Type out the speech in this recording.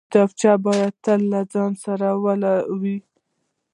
کتابچه باید تل له ځان سره وي